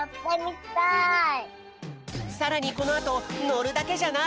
さらにこのあとのるだけじゃない！